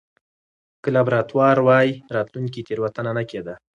که لابراتوار واي، راتلونکې تېروتنه نه کېده.